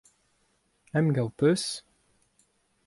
Emgav hoc'h eus ?